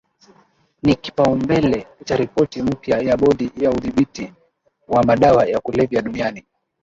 ni kipaumbele cha ripoti mpya ya Bodi ya udhibiti wa madawa ya kulevya duniani